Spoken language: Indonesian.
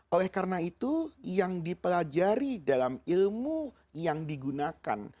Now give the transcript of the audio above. oleh karena itu yang dipelajari dalam ilmu yang digunakan